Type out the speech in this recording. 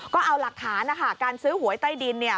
ก็เอาหลักฐานนะคะการซื้อหวยใต้ดินเนี่ย